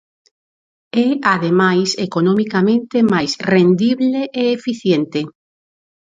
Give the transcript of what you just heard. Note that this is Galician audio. É ademais economicamente máis rendible e eficiente.